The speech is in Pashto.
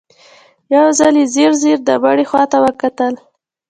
يو ځل يې ځير ځير د مړي خواته وکتل.